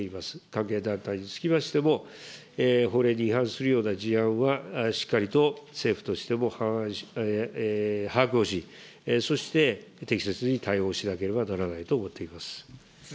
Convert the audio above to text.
関係団体につきましても、法令に違反するような事案はしっかりと政府としても把握をし、そして適切に対応しなければならないと思っています。